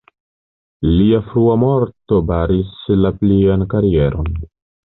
Lia frua morto baris la plian karieron.